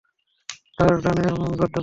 তার ডানে, গর্দভ কোথাকার।